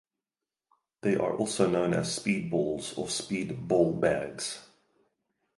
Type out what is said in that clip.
They are also known as speedballs or speed ball bags.